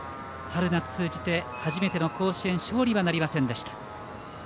春夏通じて初めての甲子園勝利はなりませんでした。